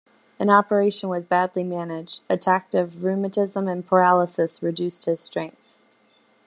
An operation was badly managed; attacks of rheumatism and paralysis reduced his strength.